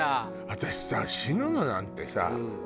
私さ死ぬのなんてさ